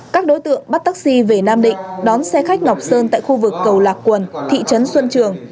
các đối tượng bắt taxi về nam định đón xe khách ngọc sơn tại khu vực cầu lạc quần thị trấn xuân trường